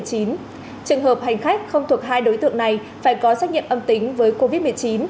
trường hợp hành khách không thuộc hai đối tượng này phải có xét nghiệm âm tính với covid một mươi chín